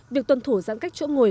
việc tuân thủ giãn cách chỗ ngồi